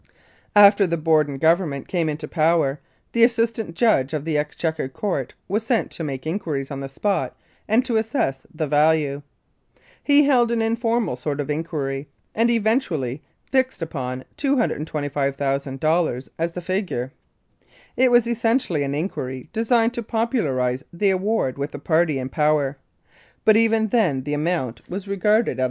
After the Borden Government came into power, the Assistant Judge of the Exchequer Court was sent to make inquiries on the spot and to assess the value. He held an informal sort of inquiry, and eventually fixed upon $225,000 as the figure. It was essentially an inquiry designed to popularise the award with the party in power, but even then the amount was regarded at 128 The Passing of Calgary Barracks.